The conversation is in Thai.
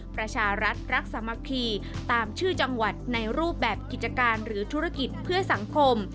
ประชารัฐรักสามัคคีตามชื่อจังหวัดในรูปแบบกิจการหรือธุรกิจเพื่อสังคม